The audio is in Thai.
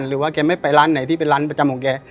แกไม่ไปร้านไหนที่เป็นร้านประจำของแก